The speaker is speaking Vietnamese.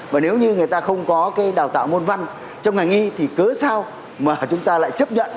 và nếu như người ta không có cái đào tạo môn văn trong ngành y thì cớ sao mà chúng ta lại chấp nhận